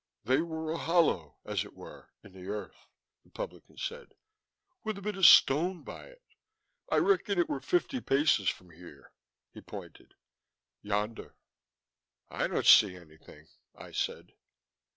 "They were a hollow, as it were, in the earth," the publican said, "with a bit of stone by it. I reckon it were fifty paces from here " he pointed, " yonder." "I don't see anything," I said.